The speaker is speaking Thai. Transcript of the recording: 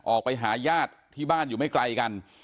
ออกไปหาญาติที่บ้านอยู่ไม่ไกลกัน